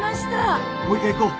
もう一回行こう。